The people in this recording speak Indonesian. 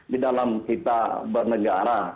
di dalam kita bernegara